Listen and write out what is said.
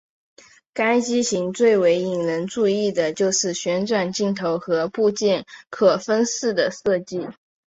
该机型最为引人注意的就是旋转镜头和部件可分式的设计。